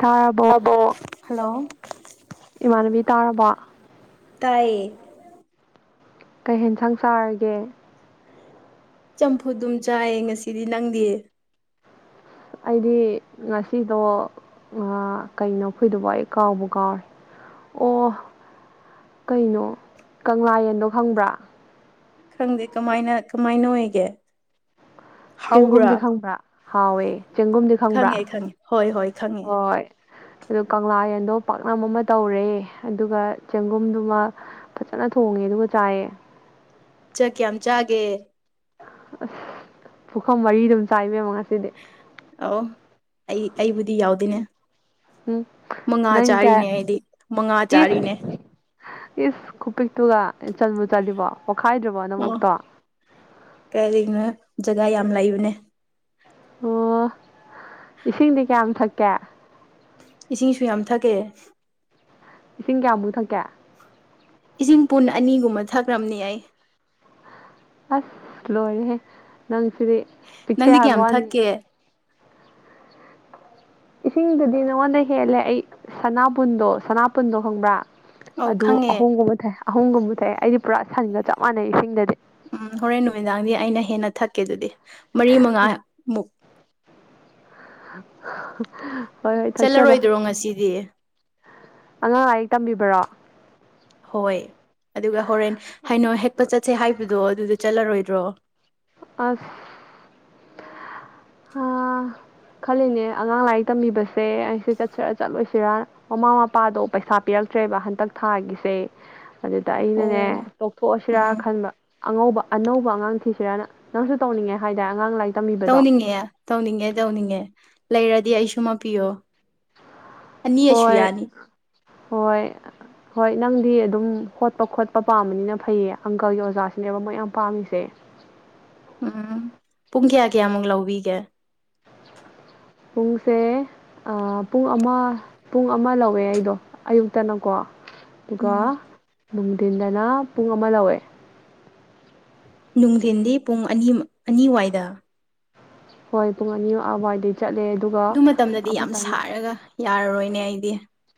ꯊꯥꯔꯕꯣ ꯇꯥꯕꯣ ꯍꯜꯂꯣ ꯏꯃꯥꯟꯅꯕꯤ ꯇꯥꯔꯕꯣ ꯇꯏ [inaudible] ꯀꯩꯍꯦꯟ ꯁꯪ ꯆꯥꯔꯒꯦ ꯆꯝꯐꯨꯗꯨꯝ ꯆꯥꯏꯌꯦ ꯉꯁꯤꯗꯤ ꯅꯪꯗꯤ ꯑꯩꯗꯤ ꯉꯁꯤꯗꯣ ꯀꯩꯅꯣ ꯐꯨꯏꯗꯐ ꯑꯩ ꯀꯥꯎꯕ ꯀꯥꯎꯔꯦ ꯑꯣ ꯀꯩꯅꯣ ꯀꯪꯂꯥꯌꯦꯟꯗꯣ ꯈꯪꯕ꯭ꯔꯥ ꯈꯪꯗꯦ ꯀꯃꯥꯏꯅ ꯀꯃꯥꯏꯅ ꯑꯣꯏꯒꯦ ꯍꯥꯎꯕ꯭ꯔꯥ ꯆꯦꯡꯒꯨꯝꯗꯤ ꯈꯪꯕ꯭ꯔꯥ ꯍꯥꯎꯋꯦ ꯆꯦꯡꯒꯨꯝꯗꯤ ꯈꯪꯕ꯭ꯔꯥ ꯈꯪꯉꯦ ꯈꯪꯉꯦ ꯍꯣꯏ ꯍꯣꯏ ꯈꯪꯉꯦ ꯍꯣꯏ ꯑꯗꯨ ꯀꯪꯂꯥ ꯌꯦꯟꯗꯣ ꯄꯥꯛꯅꯝ ꯑꯃ ꯇꯧꯔꯦ ꯑꯗꯨꯒ ꯆꯦꯡꯒꯨꯝꯗꯨꯃ ꯐꯖꯅ ꯊꯣꯡꯉꯦ ꯑꯗꯨꯒ ꯆꯥꯏꯌꯦ ꯆꯠ ꯀꯌꯥꯝ ꯆꯥꯒꯦ ꯑꯁ ꯄꯨꯈꯝ ꯃꯔꯤ ꯑꯗꯨꯝ ꯆꯥꯏꯕꯤꯔꯝꯒꯅꯤ ꯑ ꯑꯩ ꯑꯩꯕꯨꯗꯤ ꯌꯥꯎꯗꯣꯏꯅꯦ ꯎꯝ ꯃꯉꯥ ꯅꯪꯗꯤ ꯆꯥꯔꯤꯅꯦ ꯀꯌꯥ ꯑꯩꯗꯤ ꯃꯉꯥ ꯏꯁ ꯆꯥꯔꯤꯅꯦ ꯏꯁ ꯈꯨꯄꯤꯛꯇꯨꯒ ꯆꯟꯕꯨꯨ ꯆꯜꯂꯤꯕꯣ ꯑꯣ ꯄꯈꯥꯏꯗ꯭ꯔꯕꯣꯅꯃꯨꯛꯇꯣ ꯀꯔꯤꯅꯣ ꯖꯒꯥ ꯌꯥꯝ ꯂꯩꯕꯅꯦ ꯑꯣ ꯏꯁꯤꯡꯗꯤ ꯀꯌꯥꯝ ꯊꯛꯀꯦ ꯏꯁꯤꯡꯁꯨ ꯌꯥꯝ ꯊꯛꯀꯑꯦ ꯏꯁꯤꯡ ꯀꯌꯥꯃꯨꯛ ꯊꯛꯀꯦ ꯏꯁꯤꯡ ꯄꯨꯟ ꯑꯅꯤꯒꯨꯝꯕ ꯊꯛꯈ꯭ꯔꯕꯅꯤ ꯑꯩ ꯑꯁ ꯂꯣꯏꯔꯦꯍꯦ ꯅꯪꯁꯤꯗꯤ ꯄꯤꯛꯆꯩ ꯅꯪꯗꯤ ꯍꯥꯏꯕ ꯀꯌꯥꯝ ꯋꯥꯅꯤ ꯊꯛꯀꯦ ꯏꯁꯤꯡꯗꯨꯗꯤ ꯅꯪꯉꯣꯟꯗ ꯍꯦꯜꯂꯦ ꯑꯩ ꯁꯅꯥꯕꯨꯨꯟꯗꯣ ꯁꯅꯥꯄꯨꯟꯗꯣ ꯈꯪꯕ꯭ꯔꯥ ꯑꯧ ꯑꯗꯨ ꯈꯪꯉꯦ ꯑꯍꯣꯡꯒꯨꯝꯕ ꯊꯥꯏ ꯑꯍꯣꯡꯒꯨꯝꯕ ꯊꯥꯏ ꯑꯩꯗꯤ ꯄꯨꯔꯥ ꯁꯟꯒ ꯆꯞ ꯃꯥꯟꯅꯩ ꯏꯁꯤꯡꯗꯗꯤ ꯎꯝ ꯍꯣꯔꯦꯟ ꯅꯨꯃꯤꯗꯥꯡꯗꯤ ꯑꯩꯅ ꯍꯦꯟꯅ ꯊꯛꯀꯦ ꯑꯗꯨꯗꯤ ꯃꯔꯤ ꯃꯉꯥꯃꯨꯛ [unintelligible] [inaudible] ꯍꯣꯏ ꯍꯣꯏ ꯊꯛꯆꯕ ꯆꯠꯂꯔꯣꯏꯗ꯭ꯔꯣ ꯉꯁꯤꯗꯤ ꯑꯉꯥꯡ ꯑꯌꯦꯛ ꯇꯝꯕꯤꯕ꯭ꯔꯣ ꯍꯣꯏ ꯑꯗꯨꯒ ꯍꯣꯔꯦꯟ ꯍꯥꯏꯩꯅꯣ ꯍꯦꯛꯄ ꯆꯠꯁꯦ ꯍꯥꯏꯕ ꯑꯗꯣ ꯑꯗꯨꯗꯤ ꯆꯠꯂꯔꯣꯏꯗ꯭ꯔꯣ ꯑꯁ [unintelligible] [inaudible] ꯑꯥ [inaudible] ꯈꯜꯂꯤꯅꯦ ꯑꯉꯥꯡ ꯂꯥꯏꯔꯤꯛ ꯇꯝꯕꯤꯕꯁꯦ ꯑꯩꯁꯦ ꯆꯠꯁꯤꯔ ꯆꯠꯂꯣꯏꯁꯤꯔ ꯃꯃꯥ ꯃꯄꯥꯗꯣ ꯄꯩꯁꯥ ꯄꯤꯔ ꯆꯇ꯭ꯔꯦꯕ ꯍꯟꯗꯛ ꯊꯥꯒꯤꯁꯦ ꯑꯗꯨꯗ ꯑꯩꯅꯅꯦ ꯑꯣ ꯇꯣꯛꯊꯣꯛꯑꯁꯤꯔꯥ ꯎꯝ ꯈꯟꯕ ꯑꯉꯧꯕ ꯑꯅꯧꯕ ꯑꯉꯥꯡ ꯊꯤꯁꯤꯔꯥꯅ ꯅꯪꯁꯨ ꯇꯧꯅꯤꯡꯉꯦ ꯍꯥꯏꯔꯦ ꯑꯉꯥꯡ ꯂꯥꯏꯛ ꯇꯧꯅꯤꯡꯉꯦ ꯇꯧꯅꯤꯡꯉꯦ ꯇꯧꯅꯤꯡꯉꯦ ꯂꯩꯔꯗꯤ ꯑꯩꯁꯨ ꯃꯄꯤꯌꯣ ꯑꯅꯤꯁꯨ ꯍꯣꯏ ꯌꯥꯅꯤ ꯍꯣꯏ ꯍꯣꯏ ꯅꯪꯗꯤ ꯑꯗꯨꯝ ꯍꯣꯠꯄ ꯈꯣꯠꯄ ꯄꯥꯝꯕꯅꯤꯅ ꯐꯩꯌꯦ ꯑꯪꯀꯜꯒꯤ ꯑꯣꯖꯥꯁꯤꯅꯦꯕ ꯃꯣꯏ ꯌꯥꯝ ꯄꯥꯝꯃꯤꯁꯦ ꯎꯝ ꯄꯨꯡ ꯀꯌꯥ ꯀꯌꯥꯃꯨꯛ ꯂꯧꯕꯤꯒꯦ ꯄꯨꯡꯁꯦ ꯄꯨꯡ ꯑꯃ ꯄꯨꯡ ꯑꯃ ꯂꯧꯋꯦ ꯑꯩꯗꯣ ꯑꯌꯨꯛꯇꯅꯀꯣ ꯑꯗꯨꯒ ꯎꯝ ꯅꯨꯡꯙꯤꯟꯗꯅ ꯄꯨꯡ ꯑꯃ ꯂꯧꯋꯦ ꯅꯨꯡꯊꯤꯟꯗꯤ ꯄꯨꯡ ꯑꯅꯤ ꯑꯅꯤꯋꯥꯏꯗ ꯍꯣꯏ ꯄꯨꯡꯉꯅꯤ ꯑꯋꯥꯏꯗ ꯑꯗꯨ ꯃꯇꯝꯗꯗꯤ ꯌꯥꯝ ꯁꯥꯔꯒ ꯌꯥꯔꯔꯣꯏꯅꯦ ꯑꯩꯗꯤ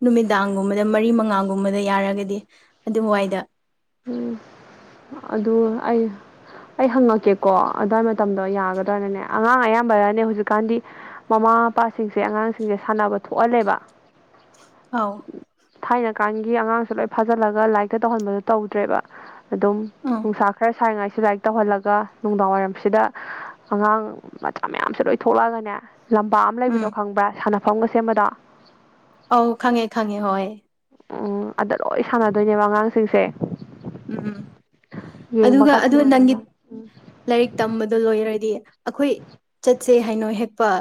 ꯅꯨꯃꯤꯗꯥꯡꯒꯨꯝꯕꯗ ꯃꯔꯤ ꯃꯉꯥ ꯑꯉꯥꯡꯒꯨꯝꯕꯗ ꯌꯥꯔꯒꯗꯤ ꯑꯗꯨ ꯋꯥꯏꯗ ꯎꯝ ꯑꯗꯨ ꯑꯩ ꯑꯩ ꯍꯪꯉꯛꯀꯦꯀꯣ ꯑꯗꯨꯋꯥꯏ ꯃꯇꯝꯗꯣ ꯌꯥꯒꯗ꯭ꯔꯅꯅꯦ ꯑꯉꯥꯡ ꯑꯌꯥꯝꯕꯅꯦ ꯍꯧꯖꯤꯛꯀꯥꯟꯗꯤ ꯃꯃꯥ ꯃꯃꯥ ꯃꯄꯥꯁꯤꯡꯁꯦ ꯑꯉꯥꯡꯁꯤꯡꯁꯦ ꯁꯥꯟꯅꯕ ꯊꯣꯛꯍꯜꯂꯦꯕ ꯑꯥꯎ ꯊꯥꯏꯅꯀꯥꯟꯒꯤ ꯑꯉꯥꯡꯁꯨ ꯂꯣꯏ ꯐꯥꯖꯤꯜꯂꯒ ꯂꯥꯏꯔꯤꯛꯇ ꯇꯧꯍꯟꯕꯗꯣ ꯇꯧꯗ꯭ꯔꯦꯕ ꯑꯗꯨꯝ ꯎꯝ ꯅꯨꯡꯁꯥ ꯈꯔ ꯁꯔꯤꯉꯥꯏ ꯁꯤ ꯂꯥꯏꯔꯤꯛ ꯇꯧꯍꯜꯂꯒ ꯅꯨꯡꯗꯥꯡ ꯋꯥꯏꯔꯝꯁꯤꯗ ꯑꯉꯥꯡ ꯃꯆꯥ ꯃꯌꯥꯝꯁꯨ ꯂꯣꯏ ꯊꯣꯛꯂꯛꯑꯒꯅꯦ ꯂꯝꯄꯥꯛ ꯑꯃ ꯎꯝ ꯂꯩꯕꯗꯣ ꯈꯪꯕ꯭ꯔꯥ ꯁꯥꯟꯅꯐꯝꯒ ꯁꯦꯝꯕꯗꯣ ꯑꯧ ꯈꯪꯉꯦ ꯈꯪꯉꯦ ꯍꯣꯏ ꯎꯝ ꯑꯗ ꯂꯣꯏ ꯁꯥꯟꯅꯗꯣꯏꯅꯦꯕ ꯑꯉꯥꯡꯁꯤꯡꯁꯦ ꯎꯝ ꯑꯗꯨꯒ ꯌꯦꯡꯕꯀꯗꯤ ꯑꯗꯨ ꯅꯪꯒꯤ ꯅꯨꯡꯉꯥꯏꯒꯗ꯭ꯔꯥ ꯂꯥꯏꯔꯤꯛ ꯇꯝꯕꯗꯣ ꯂꯣꯏꯔꯗꯤ ꯑꯩꯈꯣꯏ ꯆꯠꯁꯦ ꯍꯩꯏꯅꯧ ꯍꯦꯛꯄ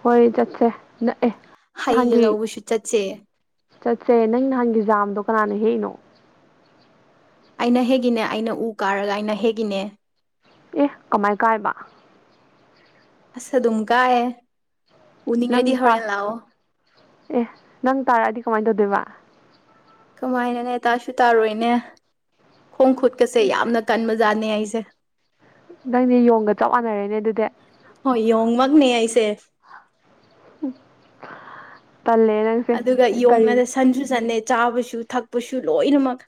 ꯍꯣꯏ ꯆꯠꯁꯦ ꯅꯛꯑꯦ ꯍꯩꯒ ꯂꯎꯁꯨꯨ ꯆꯠꯆꯦ ꯆꯠꯁꯦ ꯅꯪ ꯅꯍꯥꯟꯒꯤ ꯖꯥꯝꯗꯣ ꯀꯅꯥꯅ ꯍꯦꯛꯏꯅꯣ ꯑꯩꯅ ꯍꯦꯛꯒꯤꯅꯦ ꯑꯩꯅ ꯎ ꯀꯥꯔꯒ ꯑꯩꯅ ꯍꯦꯛꯒꯤꯅꯦ ꯑꯦ ꯀꯃꯥꯏ ꯀꯥꯏꯕ ꯑꯁ ꯑꯗꯨꯝꯀꯥꯏ ꯅꯪ ꯑꯦ ꯅꯪ ꯇꯥꯔꯛꯑꯗꯤ ꯀꯃꯥꯏꯅ ꯇꯧꯗꯣꯏꯕ ꯀꯃꯥꯏꯅꯅꯦ ꯇꯥꯁꯨ ꯇꯥꯔꯣꯏꯅꯦ ꯈꯣꯡ ꯈꯨꯠꯀꯁꯦ ꯏꯁ ꯌꯥꯝꯅ ꯀꯟꯕꯖꯥꯠꯅꯦ ꯑꯩꯁꯦ ꯇꯦ ꯅꯪꯗꯤ ꯌꯣꯡꯒ ꯆꯞ ꯃꯥꯟꯅꯔꯦꯅꯦ ꯑꯗꯨꯗꯤ ꯍꯣꯢ ꯌꯣꯡꯃꯥꯛꯅꯦ ꯑꯩꯁꯦ ꯎꯝ ꯑꯗꯨꯒ ꯌꯣꯡꯗ ꯁꯟꯁꯨ ꯁꯟꯅꯦ ꯆꯥꯕꯁꯨ ꯊꯛꯄꯁꯨ ꯂꯣꯏꯅꯃꯛ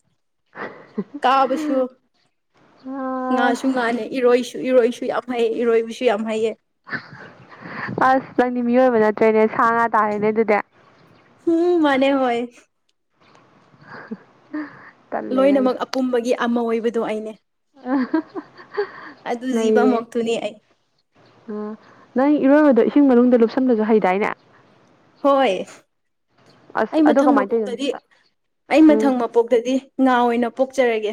ꯀꯥꯕꯁꯨ ꯉꯥꯁꯨ ꯑꯁ ꯉꯥꯅꯦ ꯏꯔꯣꯏꯁꯨ ꯏꯔꯣꯏꯁꯨ ꯌꯥꯝ ꯍꯩꯌꯦ ꯏꯔꯣꯏꯕꯤꯁꯨ ꯌꯥꯝ ꯍꯥꯏꯩꯌꯦ ꯑꯁ ꯅꯪꯗꯤ ꯃꯤꯑꯣꯏꯕ ꯅꯠꯇ꯭ꯔꯦꯅꯦ ꯁꯥ ꯉꯥ ꯇꯥꯔꯦꯅꯦ ꯑꯗꯨꯗꯤ ꯎꯝ ꯃꯅꯦ ꯍꯣꯏ [unintelligible] ꯂꯣꯏꯅꯃꯛ ꯑꯄꯨꯝꯕꯒꯤ ꯑꯃ ꯑꯣꯏꯕꯗꯣ ꯑꯩꯅꯦ ꯑ ꯑꯗꯨ ꯖꯤꯕ ꯅꯩꯔꯦ ꯃꯛꯇꯨꯅꯤ ꯑꯩ ꯑ ꯅꯪ ꯏꯔꯣꯏꯕꯗꯣ ꯏꯁꯤꯡ ꯃꯅꯨꯡꯗ ꯂꯨꯞꯁꯟꯂꯁꯨ ꯍꯩꯗꯥꯏꯅꯦ ꯍꯣꯏ ꯑꯁ ꯑꯩ ꯑꯗꯣ ꯃꯊꯪ ꯀꯃꯥꯏꯅ ꯇꯧꯔꯤꯅꯣ ꯃꯄꯣꯛꯇꯗꯤ ꯑꯝꯇ ꯑꯩ ꯎꯝ ꯃꯊꯪ ꯃꯄꯣꯛꯇꯗꯤ ꯉꯥ ꯑꯣꯏꯅ ꯄꯣꯛꯆꯔꯒꯦ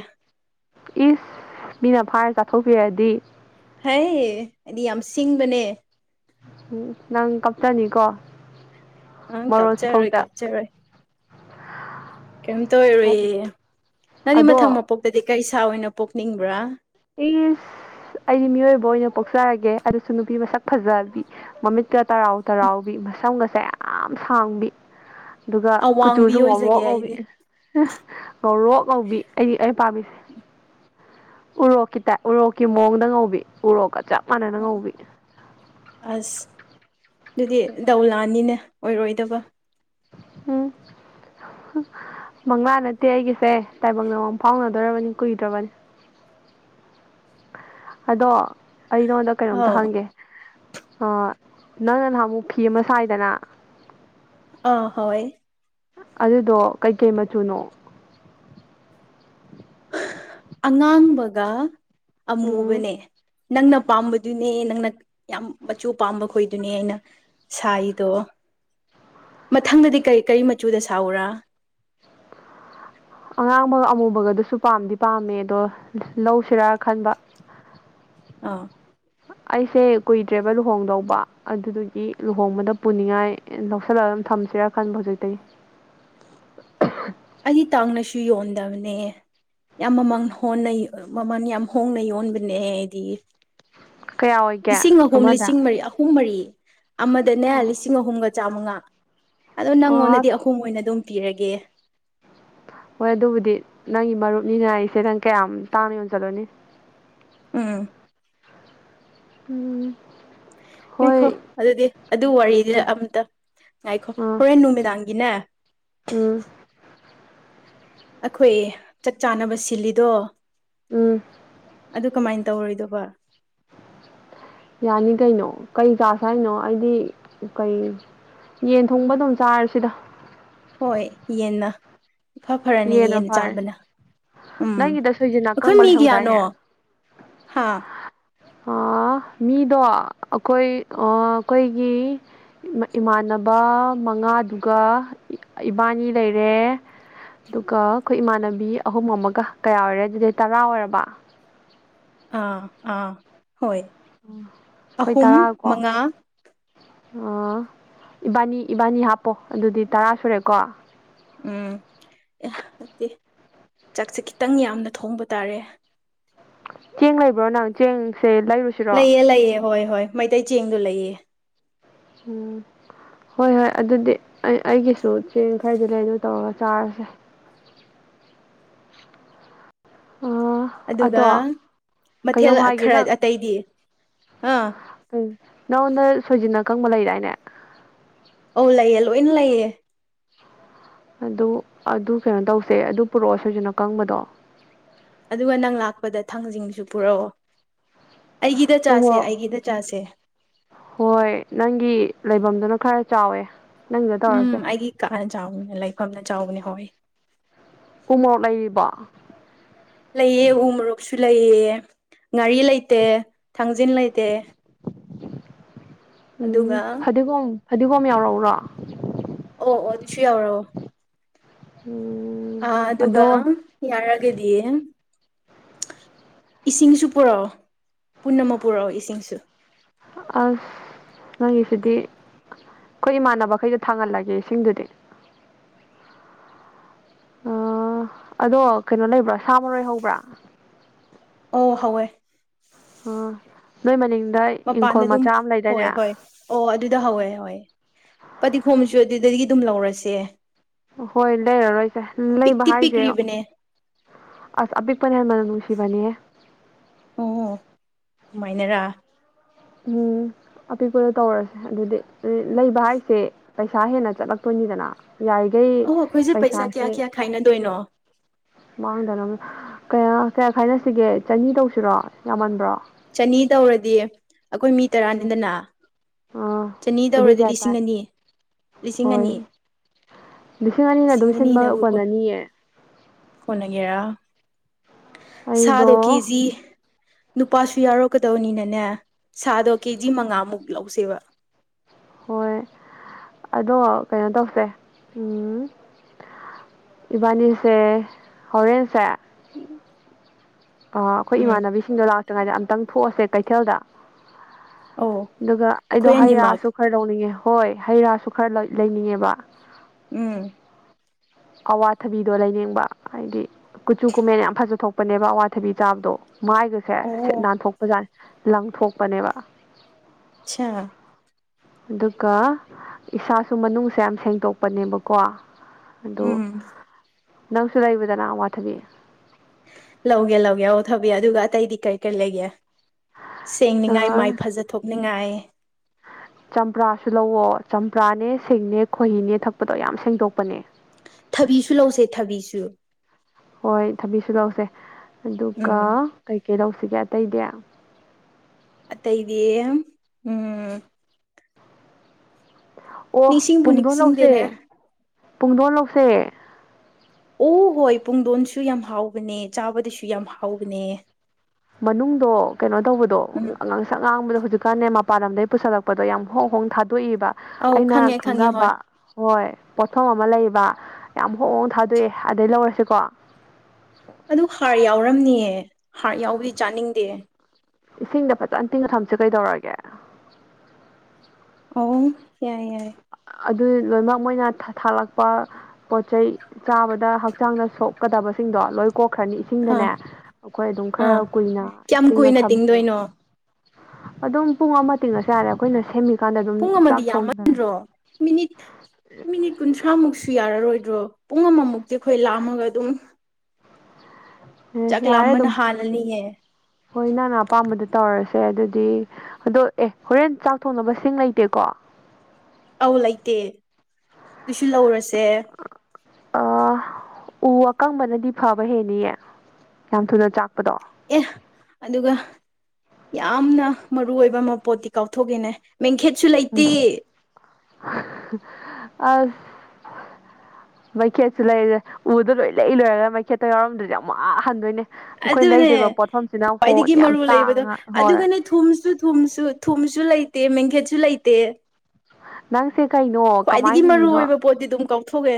ꯏꯁ ꯃꯤꯅ ꯐꯚꯥꯔ ꯆꯥꯊꯣꯛꯄꯤꯔꯗꯤ ꯍꯩ ꯑꯩꯗꯤ ꯌꯥꯝ ꯁꯤꯡꯕꯅꯦ ꯎꯝ ꯅꯪ ꯀꯞꯆꯅꯤꯀꯣ ꯑꯪ ꯃꯔꯣꯜꯁꯨ ꯀꯥꯞꯆꯔꯣꯏ ꯊꯣꯛꯇ ꯀꯥꯞꯆꯔꯣꯏ ꯀꯩꯝꯇ ꯑꯣꯏꯔꯣꯏꯌꯦ ꯅꯪꯗꯤ ꯃꯊꯪ ꯑꯗꯣ ꯃꯄꯣꯛꯇꯗꯤ ꯀꯩ ꯁꯥ ꯑꯣꯏꯅ ꯄꯣꯛꯅꯤꯡꯕ꯭ꯔꯥ ꯢꯁ ꯑꯩꯗꯤ ꯃꯤꯑꯣꯏꯕ ꯑꯣꯏꯅ ꯄꯣꯛꯆꯔꯒꯦ ꯑꯗꯨꯁꯨ ꯅꯨꯄꯤ ꯃꯁꯛ ꯐꯖꯕꯤ ꯃꯃꯤꯠꯀ ꯇꯔꯥꯎ ꯇꯔꯥꯎꯕꯤ ꯃꯁꯝꯒꯁꯦ ꯌꯥꯝ ꯁꯥꯡꯕꯤ [unintelligible] ꯑꯗꯨꯒ ꯑꯋꯥꯡꯕꯤ ꯀꯨꯆꯨꯁꯨ ꯉꯧꯔꯣꯛ ꯑꯣꯏꯖꯒꯦ ꯉꯧꯕꯤ ꯑꯩꯗꯤ ꯉꯧꯔꯣꯛ ꯉꯧꯕꯤ ꯑꯩ ꯑꯩ ꯄꯥꯝꯃꯤꯁꯦ ꯎꯔꯣꯛꯀꯤ ꯇꯥꯏ ꯎꯔꯣꯛꯀꯤ ꯃꯑꯣꯡꯗ ꯉꯧꯕꯤ ꯎꯔꯣꯛꯀꯆꯥꯞ ꯑꯁ ꯑꯗꯨꯗꯤ ꯗꯧ ꯂꯥꯅꯤꯅꯦ ꯑꯣꯏꯔꯣꯏꯗꯕ ꯃꯪꯂꯥꯟ ꯅꯠꯇꯦ ꯑꯩꯒꯤꯁꯦ ꯇꯥꯏꯕꯪ ꯗ ꯃꯪ ꯐꯥꯎꯅꯗꯣꯔꯕꯅꯤ ꯀꯨꯏꯗ꯭ꯔꯕꯅꯤ [unintelligible] ꯑꯗꯣ ꯑꯩ ꯅꯉꯣꯟꯗ ꯀꯩꯅꯣꯝꯇ ꯑꯧ ꯍꯪꯒꯦ ꯑ ꯅꯪꯅ ꯅꯍꯥꯃꯨꯛ ꯐꯤ ꯑꯃ ꯁꯥꯏꯗꯅ ꯑꯥ ꯍꯣꯏ ꯑꯗꯨꯗꯣ ꯀꯩꯀꯩ ꯃꯆꯨꯅꯣ ꯑꯉꯥꯡꯕꯒ ꯎꯝ ꯑꯃꯨꯕꯅꯦ ꯅꯪꯅ ꯄꯥꯝꯕꯗꯨꯅꯦ ꯅꯪꯅ ꯌꯥꯝ ꯃꯆꯨ ꯄꯥꯝꯕ ꯈꯣꯏꯗꯨꯅꯦ ꯑꯩꯅ ꯁꯥꯏꯗꯣ ꯃꯊꯪꯗꯗꯤ ꯀꯔꯤ ꯀꯔꯤ ꯃꯆꯨꯗ ꯁꯥꯎꯎꯔꯥ ꯑꯗꯨꯁꯨ ꯄꯥꯝꯗꯤ ꯄꯥꯝꯃꯦ ꯑꯗꯣ ꯂꯧꯁꯤꯔꯥ ꯈꯟꯕ ꯑꯥ ꯑꯩꯁꯦ ꯀꯨꯏꯗ꯭ꯔꯦꯕ ꯂꯨꯍꯣꯡꯗꯧꯕ ꯑꯗꯨꯗꯨꯒꯤ ꯂꯨꯍꯣꯡꯕꯗ ꯄꯨꯅꯤꯡꯉꯥꯏ ꯂꯧꯁꯤꯜꯂ ꯊꯝꯁꯤꯔꯥ ꯈꯟꯕ ꯍꯧꯖꯤꯛꯇꯇꯩ [inaudible] [unintelligible] ꯑꯩꯗꯤ ꯇꯥꯡꯅꯁꯨ ꯌꯣꯟꯗꯕꯅꯦ ꯌꯥꯝ ꯃꯃꯥꯡ ꯍꯣꯟꯅ ꯃꯃꯜ ꯌꯥꯝ ꯍꯣꯡꯅ ꯌꯣꯟꯕꯅꯦ ꯍꯥꯏꯗꯤ ꯀꯌꯥ ꯑꯣꯏꯒꯦ ꯂꯤꯁꯤꯡ ꯑꯍꯨꯝ ꯑꯃꯗ ꯂꯤꯁꯤꯡ ꯃꯔꯤ ꯑꯍꯨꯝ ꯃꯔꯤ ꯑꯃꯗꯅꯦ ꯑꯣ ꯂꯤꯁꯤꯡ ꯑꯍꯨꯝꯒ ꯆꯥꯃꯉꯥ ꯑꯗꯣ ꯅꯪꯉꯣꯟꯗꯗꯤ ꯑꯁ ꯑꯍꯨꯝ ꯑꯣꯏꯅ ꯑꯗꯨꯝ ꯄꯤꯔꯒꯦ ꯍꯣꯏ ꯑꯗꯨꯕꯨꯗꯤ ꯅꯪꯒꯤ ꯃꯔꯨꯞꯅꯤꯅ ꯑꯩꯁꯦ ꯅꯪ ꯀꯌꯥꯝ ꯇꯥꯡꯅ ꯌꯣꯟꯁꯤꯜꯂꯣꯏꯅꯤ ꯑꯝ ꯎꯝ ꯌꯥꯡꯈꯣ ꯍꯣꯏ ꯑꯗꯨꯗꯤ ꯑꯗꯨ ꯋꯥꯔꯤꯗꯨ ꯑꯝꯇ ꯑꯥꯏꯈꯣ ꯑꯥ ꯍꯣꯔꯦꯟ ꯅꯨꯅꯨꯡꯃꯤꯗꯥꯒꯤꯅꯦ ꯎꯝ ꯑꯩꯈꯣꯏ ꯆꯥꯛ ꯆꯥꯅꯕ ꯁꯤꯜꯂꯤꯗꯣ ꯎꯝ ꯑꯗꯨ ꯀꯃꯥꯏꯅ ꯇꯧ ꯇꯧꯔꯣꯏꯗꯧꯕ ꯌꯥꯅꯤ ꯀꯩꯅꯣ ꯀꯩꯀꯥꯥꯁ ꯍꯥꯏꯅꯣ ꯑꯩꯗꯤ ꯀꯩ ꯌꯦꯟ ꯊꯣꯡꯕ ꯑꯗꯨꯝ ꯆꯥꯔꯁꯤꯗ ꯍꯣꯏ ꯌꯦꯅꯥ ꯏꯐ ꯐꯔꯅꯤ ꯌꯦꯟꯅ ꯆꯥꯕꯅ ꯎꯝ ꯅꯪꯒꯤꯗ ꯁꯣꯏꯖꯤꯟ ꯑꯩꯈꯣꯏ ꯑꯀꯪꯕ ꯃꯤ ꯀꯌꯥꯅꯣ ꯂꯩꯍꯧꯗꯥꯏꯅꯦ ꯍꯥꯥ ꯑꯥ, ꯃꯤꯗꯣ ꯑꯩꯈꯣꯏ ꯑꯩꯈꯣꯏꯒꯤ ꯏꯃꯥꯟꯅꯕ ꯃꯉꯥꯗꯨꯒ ꯏꯕꯥꯅꯤ ꯂꯩꯔꯦ ꯑꯗꯨꯒ ꯑꯩꯈꯣꯏ ꯏꯃꯥꯟꯅꯕꯤ ꯑꯍꯨꯝ ꯑꯃꯒ ꯀꯌꯥ ꯑꯣꯏꯔꯦ ꯑꯗꯨꯗꯩ ꯇꯔꯥ ꯑꯣꯏꯔꯕ ꯑꯥ ꯑꯥ ꯍꯣꯏ ꯑꯩꯈꯣꯏ ꯑꯍꯨꯝ ꯇꯔꯥꯀꯣ ꯃꯉꯥ ꯏꯕꯥꯅꯤ ꯏꯕꯥꯅꯤ ꯍꯥꯞꯄꯣ ꯑꯗꯨꯗꯤ ꯇꯔꯥ ꯁꯨꯔꯦꯀꯣ ꯎꯝ ꯑꯦ ꯑꯗꯨꯗꯤ ꯆꯥꯛꯁꯦ ꯈꯤꯇꯪ ꯌꯥꯝꯅ ꯊꯣꯡꯕ ꯇꯥꯔꯦ ꯆꯦꯡ ꯂꯩꯕ꯭ꯔꯣ ꯅꯪ ꯆꯦꯡ ꯂꯩꯑ ꯂꯩꯑꯦ ꯍꯣꯏ ꯍꯣꯏ ꯃꯩꯇꯩ ꯆꯦꯡꯗ ꯂꯩꯌꯦ ꯎꯝ ꯍꯣꯏ ꯍꯣꯏ ꯑꯗꯨꯗꯤ ꯑꯩ ꯑꯩꯒꯤꯁꯨ ꯆꯦꯡ ꯈꯔꯗꯤ ꯂꯩꯅꯣ ꯇꯧꯔꯒ ꯆꯥꯔꯁꯦ ꯑꯥ, ꯑꯗꯨꯒ ꯑꯗꯣ ꯃꯊꯦꯜ ꯀꯩꯅꯣꯝ ꯍꯥꯏꯒꯦ ꯈꯔ ꯅꯪ ꯑꯇꯩꯗꯤ ꯑꯥ ꯅꯉꯣꯟꯗ ꯁꯣꯏꯖꯤꯟꯅ ꯑꯀꯪꯕ ꯂꯩꯗꯥꯏꯅꯦ ꯑꯧ ꯂꯩꯌꯦ ꯂꯣꯏꯅ ꯂꯩꯌꯦ ꯑꯗꯨ ꯑꯗꯨ ꯀꯩꯅꯣ ꯇꯧꯁꯦ ꯑꯗꯨ ꯄꯨꯔꯛꯑꯣ ꯁꯣꯏꯖꯅ ꯀꯪꯕꯗꯣ ꯊꯥꯡꯖꯁꯨ ꯄꯨꯔꯛꯑꯣ ꯑꯩꯒꯤꯗ ꯆꯥꯁꯦ ꯎꯃꯣ ꯑꯩꯒꯤꯗ ꯆꯥꯁꯦ ꯍꯣꯏ ꯅꯪꯒꯤ ꯂꯩꯐꯝ ꯑꯗꯨꯅ ꯈꯔ ꯆꯥꯎꯋꯦ ꯅꯪꯒꯤꯗ ꯎꯝ ꯇꯧꯔꯁꯦ ꯑꯩꯒꯤ ꯀꯥꯅ ꯆꯥꯎꯕꯅꯦ ꯂꯩꯐꯝꯅ ꯆꯥꯎꯕꯅꯦ ꯍꯣꯏ ꯎ ꯃꯣꯔꯣꯛ ꯂꯩꯔꯤꯕꯣ ꯂꯩꯥꯏꯌꯦ ꯎ ꯃꯔꯛ ꯂꯩꯌꯦ ꯉꯥꯔꯤ ꯂꯩꯇꯦ ꯊꯥꯡꯖꯤꯟ ꯂꯩꯇꯦ ꯎꯝ ꯑꯗꯨꯒ ꯐꯗꯤꯒꯣꯝ ꯐꯗꯤꯒꯣꯝ ꯌꯥꯎꯔꯎꯔꯣ ꯑꯣ ꯑꯣ ꯑꯗꯨꯁꯨ ꯌꯧꯔꯛꯑꯣ ꯎꯝ ꯑ ꯑꯗꯨꯒ ꯑꯗꯣ ꯌꯥꯔꯒꯗꯤꯦ ꯏꯁꯤꯡꯁꯨ ꯄꯨꯔꯛꯑꯣ ꯄꯨꯟꯅꯃꯛ ꯄꯨꯔꯛꯑꯣ ꯏꯁꯤꯡꯁꯨ ꯑ ꯅꯪꯒꯤꯁꯤꯗꯤ ꯑꯩꯈꯣꯏ ꯏꯃꯥꯟꯅꯕꯈꯩꯗ ꯊꯥꯡꯒꯜꯂꯒꯦ ꯏꯁꯤꯡꯗꯨꯗꯤ [unintelligible] ꯎꯝ ꯑꯗꯣ ꯀꯩꯅꯣ ꯂꯩꯕ꯭ꯔꯥ ꯁꯥ ꯃꯔꯣꯏ ꯍꯧꯕ꯭ꯔꯥ ꯑꯣ ꯍꯋꯣꯏ ꯑꯣ ꯅꯣꯏ ꯃꯅꯤ ꯃꯄꯥꯟꯗ ꯑꯗꯨꯝ ꯍꯣꯏ ꯍꯣꯏ ꯑꯣ ꯑꯗꯨꯗ ꯍꯧꯋꯦ ꯍ ꯄꯗꯤꯈꯣꯝꯁꯨ ꯑꯗꯨꯗꯒꯤ ꯑꯗꯨꯝ ꯂꯧꯔꯁꯦ ꯍꯣꯏ ꯂꯩꯔꯔꯣꯏꯁꯦ ꯂꯩꯕ ꯄꯤꯛꯇꯤ ꯍꯥꯏꯁꯦ ꯄꯤꯛꯔꯤꯕꯅꯦ ꯑꯁ ꯑꯄꯤꯤꯛꯄꯅ ꯌꯥꯝꯟꯅ ꯃꯅ ꯅꯨꯡꯁꯤꯕꯅꯤꯦ ꯑꯣꯃꯥꯏꯅꯔ ꯎꯝ ꯑꯄꯤꯛꯄꯗ ꯇꯧꯔꯁꯦ ꯑꯗꯨꯗꯤ ꯂꯩꯕ ꯍꯥꯏꯁꯦ ꯄꯩꯁꯥ ꯍꯦꯟꯅ ꯆꯠꯂꯛꯇꯣꯏꯅꯤ ꯅꯤꯗꯅ ꯌꯥꯔꯤꯈꯩ ꯑꯣ ꯑꯩꯈꯣꯏꯁꯦ ꯄꯩꯁꯥ ꯄꯩꯁꯥꯁꯦ ꯀꯌꯥ ꯀꯌꯥ ꯈꯥꯏꯅꯗꯣꯏꯅꯣ ꯃꯥꯡꯗꯅ ꯀꯌꯥ ꯀꯌꯥ ꯈꯥꯏꯅꯁꯤꯒꯦ ꯆꯅꯤ ꯇꯧꯁꯤꯔꯣ ꯌꯥꯝꯃꯟꯕ꯭ꯔꯣ ꯆꯅꯤ ꯇꯧꯔꯗꯤ ꯑꯩꯈꯣꯏ ꯃꯤ ꯇꯔꯥꯅꯤꯗꯅ ꯑꯥ ꯆꯅꯤ ꯑꯗꯨꯏ ꯇꯧꯔꯗꯤ ꯀꯌꯥ ꯇꯥꯏ ꯂꯤꯁꯤꯡ ꯑꯅꯤ ꯂꯤꯁꯤꯡ ꯑꯅꯤ ꯍꯣꯏ ꯂꯤꯁꯤꯡ ꯑꯅꯤꯅ ꯑꯗꯨꯝ ꯁꯤꯟꯕ ꯀꯜ ꯑꯅꯤꯑ ꯀꯅꯒꯦꯔ ꯁꯥꯗꯣ ꯑꯩꯗꯣ ꯀꯦꯖꯤ ꯅꯨ ꯅꯨꯄꯥꯁꯨ ꯌꯥꯎꯔꯛꯀꯗꯧꯅꯤꯅꯅꯦ ꯁꯥꯗꯣ ꯀꯦꯖꯤ ꯃꯉꯥꯃꯨꯛ ꯂꯧꯁꯦꯕ ꯍꯣꯏ ꯑꯗꯣ ꯀꯩꯅꯣ ꯇꯧꯁꯦ ꯎꯝ ꯏꯕꯥꯅꯤꯁꯦ ꯍꯣꯔꯦꯟꯁ ꯑꯩꯈꯣꯏ ꯎꯝ ꯏꯃꯥꯟꯅꯕꯤꯁꯤꯡꯗꯣ ꯂꯥꯛꯇ꯭ꯔꯤꯉꯩꯗ ꯑꯝꯛꯇꯪ ꯊꯣꯛꯑꯁꯦ ꯀꯩꯊꯦꯜꯗ ꯑꯧ ꯑꯗꯨꯒ ꯑꯩꯈꯣꯏ ꯑꯩꯗꯣ ꯑꯅꯤꯃꯛ ꯍꯩꯌꯥꯁꯨ ꯈꯔ ꯂꯧꯅꯤꯡꯉꯦ ꯍꯣꯏ ꯍꯩ ꯔꯥꯁꯨ ꯈꯔ ꯂꯩꯅꯤꯡꯉꯦꯕ ꯎꯝ ꯑꯋꯥꯊꯕꯤꯗꯣ ꯂꯩꯅꯤꯡꯕ ꯍꯥꯏꯗꯤ ꯀꯨꯆꯨ ꯀꯨꯃꯦꯟ ꯌꯥꯝ ꯐꯖꯊꯣꯛꯄꯅꯦꯕ ꯑꯋꯥꯊꯕꯤ ꯆꯥꯕꯗꯣ ꯃꯥꯏꯒꯁꯦ ꯁꯤꯠ ꯑꯣ ꯅꯥꯟꯊꯣꯛꯄꯖꯥꯠ ꯂꯪꯊꯣꯛꯄꯅꯦꯕ ꯑꯆꯥꯥ ꯑꯗꯨꯒ ꯏꯁꯥꯁꯨ ꯃꯅꯨꯡꯁꯦ ꯌꯥꯝ ꯁꯦꯡꯗꯣꯛꯄꯅꯦꯕꯀꯣ ꯑꯗꯨ ꯎꯝ ꯅꯪꯁꯨ ꯂꯩꯕꯗꯅ ꯋꯥꯊꯕꯤ ꯂꯧꯒꯦ ꯂꯧꯒꯦ ꯑꯣꯧ ꯊꯕꯤ ꯑꯗꯨꯒ ꯑꯇꯩꯗꯤ ꯀꯔꯤ ꯀꯔꯤ ꯂꯩꯒꯦ ꯁꯦꯡꯅꯤꯉꯥꯏ ꯃꯥꯏ ꯐꯖꯊꯣꯛꯅꯤꯡꯉꯥꯏ ꯆꯝꯄ꯭ꯔꯥꯁꯨ ꯂꯧꯋ ꯆꯝꯄ꯭ꯔꯥꯅꯦ ꯁꯤꯡꯅꯦ ꯈꯣꯏꯍꯤꯅꯦ ꯊꯛꯄꯗꯣ ꯌꯥꯝ ꯁꯦꯡꯗꯣꯛꯄꯅꯦ ꯊꯕꯤꯁꯨ ꯂꯧꯁꯦ ꯊꯕꯤꯁꯨ ꯁꯤꯜꯂꯧꯁꯦ ꯑꯗꯨꯒ ꯎꯝ ꯀꯩꯀꯩ ꯂꯧꯁꯤꯒꯦ ꯑꯇꯩꯗꯤ ꯑꯠꯇ ꯏꯗꯦ ꯎꯝ ꯑꯣ ꯅꯤꯡꯁꯤꯡꯕꯨ ꯄꯨꯡꯗꯣꯟ ꯂꯧꯁꯦ ꯅꯤꯡꯁꯤꯡꯗꯦꯅꯦ ꯄꯨꯡꯗꯣꯟ ꯂꯧꯁꯦ ꯑꯣ ꯍꯣꯏ ꯄꯨꯡꯗꯣꯟꯁꯨ ꯌꯥꯝ ꯍꯥꯎꯕꯅꯦ ꯆꯥꯕꯗꯁꯨ ꯌꯥꯝ ꯍꯥꯎꯕꯅꯦ ꯃꯅꯨꯡꯗꯣ ꯀꯩꯅꯣ ꯎꯝ ꯇꯧꯕꯗꯣꯁꯛ ꯉꯥꯡꯕꯗꯣ ꯍꯧꯖꯤꯛ ꯍꯧꯖꯤꯀꯥꯟ ꯃꯄꯥꯟ ꯂꯝꯝꯗꯒꯤ ꯄꯨꯜꯂꯛꯄꯗꯣ ꯌꯥꯝ ꯍꯣꯡ ꯍꯣꯡ ꯊꯥ ꯇꯣꯛꯏꯕ ꯑꯧ ꯑꯩꯅ ꯈꯪꯉꯦ ꯈꯪꯉꯦ ꯍꯣꯏ ꯈꯪꯅꯕ ꯍꯣꯏ ꯄꯣꯠꯐꯝ ꯑꯃ ꯂꯩꯕ ꯌꯥꯝ ꯍꯣꯡꯣꯡ ꯊꯥꯗꯣꯛꯑꯦ ꯑꯗꯩ ꯂꯧꯔꯁꯤꯀꯣ ꯑꯗꯨ ꯍꯥꯔ ꯌꯥꯎꯔꯝꯅꯤꯌꯦ ꯍꯥꯔ ꯌꯥꯎꯕꯗꯤ ꯆꯥꯅꯤꯡꯗꯦ ꯏꯁꯤꯡꯗ ꯐꯖꯅ ꯇꯤꯡ ꯊꯝꯁꯦ ꯀꯩꯗꯧꯔꯒꯦ ꯑꯣ ꯑꯦꯏ ꯌꯥꯏ ꯑꯗꯨ ꯂꯣꯏꯅꯃꯛ ꯃꯣꯏꯅ ꯊꯥꯂꯛꯄ ꯄꯣꯠ ꯆꯩꯩ ꯆꯥꯕꯗ ꯍꯛꯆꯥꯡꯗ ꯁꯣꯛꯀꯗꯕꯁꯦ ꯁꯤꯡꯗꯣꯂꯣꯏ ꯀꯣꯛꯈ꯭ꯔꯅꯤ ꯏꯁꯤꯡꯗꯅꯦ ꯑꯥ ꯑꯩꯈꯣꯏ ꯑꯗꯨꯝ ꯈꯔ ꯑꯥ ꯀꯨꯏꯅ ꯀꯌꯥꯝ ꯇꯤꯡꯉ ꯀꯨꯏꯅ ꯊꯝꯕꯤꯔꯣ ꯇꯤꯡꯗꯣꯏꯅꯣ ꯑꯗꯨꯝ ꯄꯨꯡ ꯑꯃ ꯇꯤꯡꯉꯁꯨ ꯌꯥꯔꯦ ꯑꯩꯈꯣꯏꯅ ꯁꯦꯝꯃꯤꯀꯥꯟꯗ ꯑꯗꯨꯝ ꯄꯨꯡ ꯆꯥꯛ ꯑꯃꯗꯤ ꯊꯣꯡꯗꯅ ꯌꯥꯝꯃꯟꯗ꯭ꯔꯣ ꯃꯤꯅꯤꯠ ꯃꯤꯅꯤꯠ ꯀꯨꯟꯊ꯭ꯔꯥꯃꯨꯛꯁꯨ ꯌꯥꯔꯔꯣꯏ ꯭ꯔꯣ ꯄꯨꯡ ꯑꯃꯃꯨꯛꯇꯤ ꯑꯩꯈꯣꯏ ꯂꯥꯑꯝꯃꯒ ꯑꯗꯨꯝ ꯑꯦ ꯆꯥꯛ ꯌꯥꯔꯦ ꯂꯥꯝꯕꯅ ꯑꯗꯨꯝ ꯍꯥꯜꯂꯅꯤꯌꯦ ꯍꯣꯏ ꯏꯅꯥꯅ ꯑꯄꯥꯝꯕꯗ ꯇꯧꯔꯁꯤꯦ ꯁ ꯑꯗꯨꯗꯤ ꯑꯗꯣ ꯑꯦ ꯍꯣꯔꯦꯟ ꯆꯥꯎꯊꯣꯡꯅꯕꯁꯤꯡ ꯂꯩꯇꯦꯀꯣ ꯑꯧ ꯂꯩꯇꯦ ꯑꯗꯨꯁꯨ ꯂꯧꯔꯁꯦ ꯑꯥ ꯎ ꯑꯀꯪꯕꯅꯗꯤ ꯐꯕ ꯍꯦꯅꯤꯌꯦ ꯌꯥꯝ ꯊꯨꯅ ꯆꯥꯛꯄꯗꯣ ꯑꯦ ꯑꯗꯨꯒ ꯌꯥꯝꯅ ꯃꯔꯨ ꯑꯣꯏꯕ ꯃ ꯄꯣꯠꯇꯤ ꯀꯥꯎꯊꯣꯛꯏꯦꯅꯦ ꯃꯦꯟꯈꯦꯠꯁꯨ ꯎꯝ ꯂꯩꯇꯦ ꯑ ꯃꯩꯈꯦꯠꯁꯨ ꯂꯩꯔꯤꯁꯦ ꯎꯗꯣ ꯂꯣꯏ ꯂꯩ ꯂꯣꯏꯔꯒ ꯃꯩꯈꯦꯠꯇ ꯌꯥꯎꯔꯝꯗꯗꯤ ꯌꯥꯝ ꯋꯥꯍꯟꯗꯣꯏꯅꯦ ꯑꯗꯨꯅꯦ ꯈ꯭ꯋꯥꯏꯗꯒꯤ ꯌꯥꯝ ꯃꯔꯨ ꯂꯩꯕꯗꯣ ꯇꯥꯡꯉ ꯍꯣꯏ ꯑꯗꯨꯒꯅꯦ ꯊꯨꯝꯁꯨ ꯊꯨꯝꯁꯨ ꯊꯨꯝꯁꯨ ꯂꯩ ꯃꯘꯦ ꯆꯂ ꯂꯩꯇꯦ ꯅꯪꯁꯦ ꯀꯩꯅꯣ ꯈ꯭ꯋꯥꯏꯗꯒꯤ ꯀꯃꯥꯏꯅ ꯃꯔꯨ ꯍꯤꯡꯉꯤꯅꯣ ꯑꯣꯏꯕ ꯄꯣꯠꯇꯤ ꯑꯗꯨꯝ ꯀꯥꯎꯊꯣꯛꯑꯦ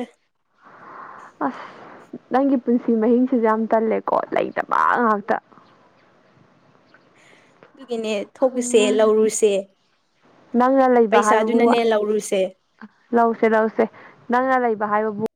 ꯑꯁ ꯅꯪꯒꯤ ꯄꯨꯟꯁꯤ ꯃꯍꯤꯡꯁꯤꯁꯨ ꯌꯥꯝ ꯇꯜꯂꯦꯀꯣ ꯂꯩꯇꯕ ꯉꯥꯛꯇ [inaudible] [unintelligible] ꯅꯦ ꯊꯣꯛꯂꯨꯁꯦ ꯂꯧꯔꯨꯁꯦ ꯅꯪꯅ ꯂꯩꯕ ꯍꯥꯏꯕꯕꯨ ꯄꯩꯁꯥꯗꯨꯅꯅꯦ ꯂꯧꯔꯨꯁꯦ ꯂꯧꯁꯦ ꯂꯧꯁꯦ ꯅꯪꯅ ꯂꯩꯕ ꯍꯥꯏꯕꯕꯨ